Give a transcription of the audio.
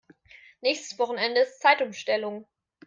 Nächstes Wochenende ist Zeitumstellung.